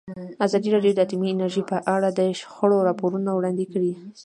ازادي راډیو د اټومي انرژي په اړه د شخړو راپورونه وړاندې کړي.